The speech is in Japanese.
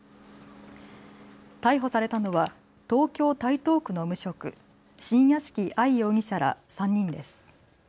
逮捕されたのは東京台東区の無職、新屋敷愛容疑者ら３人です。